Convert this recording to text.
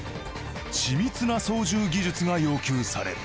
緻密な操縦技術が要求される。